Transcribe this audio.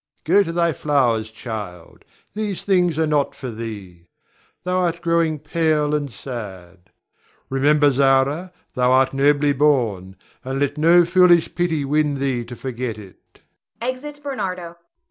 Go to thy flowers, child. These things are not for thee, thou art growing pale and sad. Remember, Zara, thou art nobly born, and let no foolish pity win thee to forget it. [Exit Bernardo.